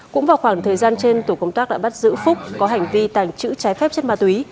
cũng vào khoảng thời gian trên tổ công tác đã bắt giữ phúc có hành vi tàng trữ trái phép chất ma túy